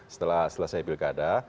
setelah selesai pilkada